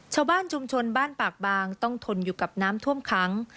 ชาวบ้านชุมชนบ้านปากบางต้องทนอยู่กับน้ำท่วมขัง